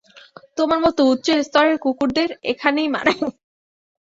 তোমার মতো উচ্চ স্তরের কুকুরদের এখানেই মানায়।